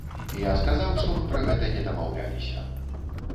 Я сказаў, што мы пра гэта не дамаўляліся.